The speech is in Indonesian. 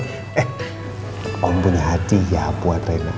eh om punya hati ya buat rena